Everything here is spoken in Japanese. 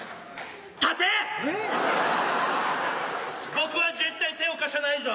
僕は絶対手を貸しゃないじょ。